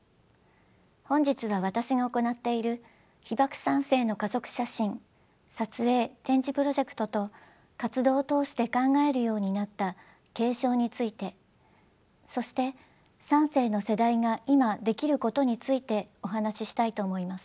本日は私が行っている「被爆三世の家族写真撮影・展示プロジェクト」と活動を通して考えるようになった継承についてそして三世の世代が今できることについてお話ししたいと思います。